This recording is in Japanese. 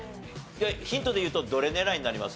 ヒントでいうとどれ狙いになります？